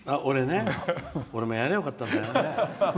俺もやりゃよかったな。